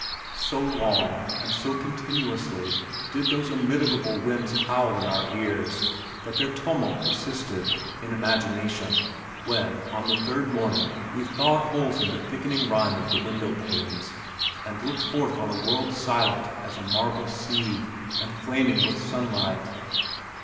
So long and so continuously did those immitigable winds howl in our ears that their tumult persisted, in imagination, when on the third morning, we thawed holes in the thickened rime of the window panes and looked forth on a world silent as a marble sea and flaming with sunlight.